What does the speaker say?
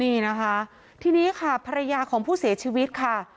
นี่นะคะทีนี้ค่ะภรรยาของผู้เสียชีวิตค่ะ